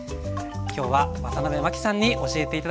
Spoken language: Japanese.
今日はワタナベマキさんに教えて頂きました。